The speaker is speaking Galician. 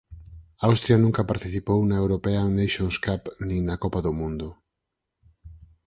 Austria nunca participou na European Nations Cup nin na Copa do Mundo.